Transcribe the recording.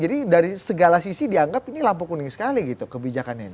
jadi dari segala sisi dianggap ini lampu kuning sekali gitu kebijakannya ini